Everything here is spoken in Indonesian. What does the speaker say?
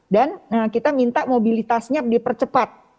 dan kita minta mobilitasnya dipercepat